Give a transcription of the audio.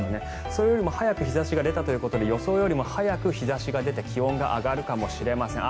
それよりも早く日差しが出たということで予想よりも早く日差しが出て気温が上がるかもしれません。